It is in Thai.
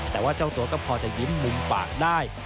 แต่ว่าเจ้าตัวก็พอจะยิ้มมุมปากได้